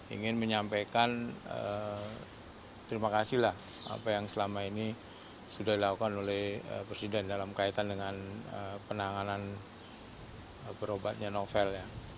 ingin menyampaikan terima kasih lah apa yang selama ini sudah dilakukan oleh presiden dalam kaitan dengan penanganan berobatnya novel